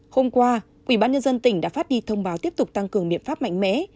hôm qua quỹ bán nhân dân tỉnh đã phát đi thông báo tiếp tục tăng cường miệng pháp mạnh mẽ